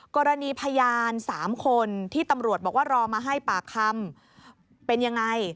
กรณีพยาน๓คนที่ตำรวจบอกว่ารอมาให้ปากคำเป็นยังไง